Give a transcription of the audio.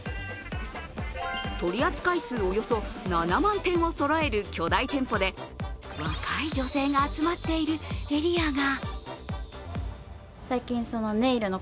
取り扱い数およそ７万点をそろえる巨大店舗で若い女性が集まっているエリアが。